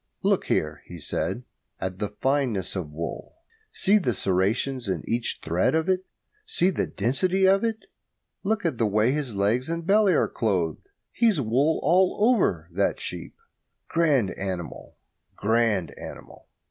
"Look here," he said, "at the fineness of the wool. See the serrations in each thread of it. See the density of it. Look at the way his legs and belly are clothed he's wool all over, that sheep. Grand animal, grand animal!"